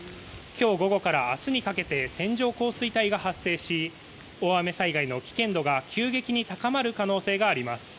今日午後から明日にかけて線状降水帯が発生し大雨災害の危険度が急激に高まる可能性があります。